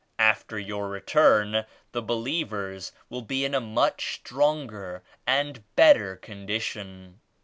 After you return the believers will be in a much stronger and better condition.